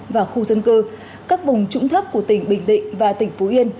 và khu dân cư các vùng trũng thấp của tỉnh bình định và tỉnh phú yên